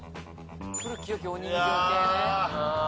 古きよきお人形系ね。